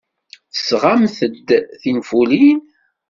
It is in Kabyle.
Tesɣamt-d tinfulin?